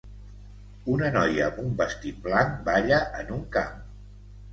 Una noia amb un vestit blanc balla en un camp.